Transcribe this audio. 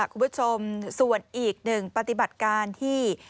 คุณผู้ชมส่วนอีกหนึ่งปฏิบัติการที่